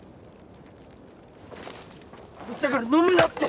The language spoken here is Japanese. だから飲むなって！